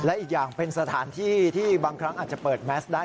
และอีกอย่างเป็นสถานที่ที่บางครั้งอาจจะเปิดแมสได้